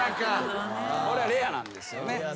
これはレアなんですよね。